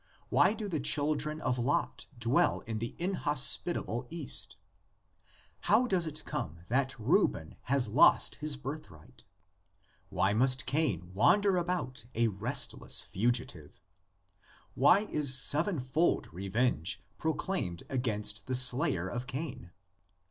Why do the children of Lot dwell in the inhospitable East? How does it come that Reuben has lost his birthright? Why must Cain wander 26 THE LEGENDS OF GENESIS. about a restless fugitive? Why is sevenfold venge ance proclaimed against the slayer of Cain?